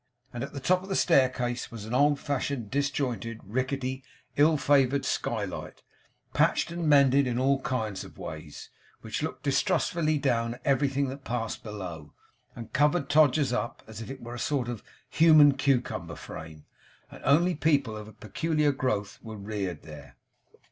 And, at the top of the staircase, was an old, disjointed, rickety, ill favoured skylight, patched and mended in all kinds of ways, which looked distrustfully down at everything that passed below, and covered Todgers's up as if it were a sort of human cucumber frame, and only people of a peculiar growth were reared there.